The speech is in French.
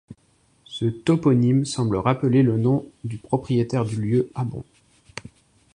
Ce toponyme semble rappeler le nom du propriétaire du lieu, Abbon.